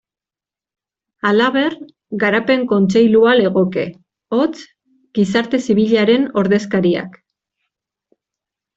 Halaber, Garapen Kontseilua legoke, hots, gizarte zibilaren ordezkariak.